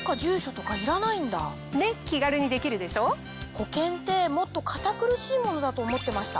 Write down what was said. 保険ってもっと堅苦しいものだと思ってました。